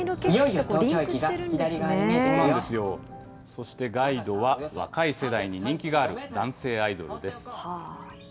そしてガイドは、若い世代に人気がある男性アイドルです。